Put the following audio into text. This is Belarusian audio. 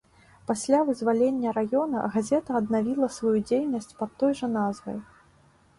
Пасля вызвалення раёна газета аднавіла сваю дзейнасць пад той жа назвай.